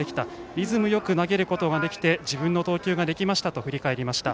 リズムよく投げることができて自分の投球ができたと振り返りました。